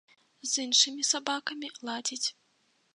З іншымі сабакамі ладзіць.